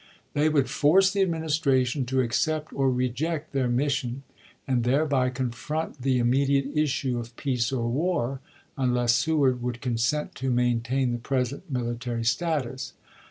They would force the Administration to accept or reject their mission, and thereby confront the im mediate issue of peace or war, unless Seward would consent to maintain the present military status.